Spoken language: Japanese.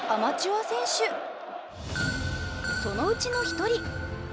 そのうちの一人。